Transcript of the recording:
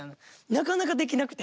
なかなかできなくて。